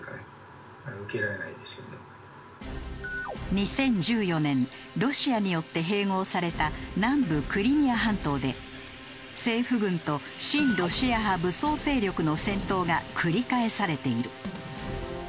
２０１４年ロシアによって併合された南部クリミア半島で政府軍と親ロシア派武装勢力の戦闘が繰り返されている。